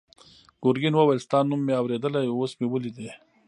ګرګین وویل ستا نوم مې اورېدلی اوس مې ولیدې.